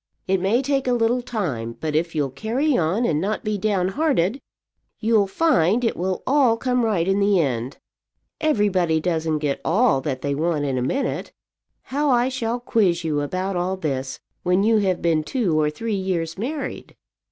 It may take a little time; but if you'll carry on and not be down hearted, you'll find it will all come right in the end. Everybody doesn't get all that they want in a minute. How I shall quiz you about all this when you have been two or three years married!"